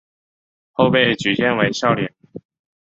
后被举荐为孝廉。